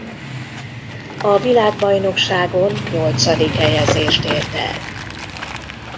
A világbajnokságon nyolcadik helyezést ért el.